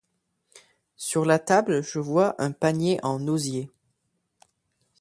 Sur la table je vois un panier en osier.